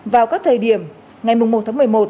vào các thời điểm ngày một tháng một mươi một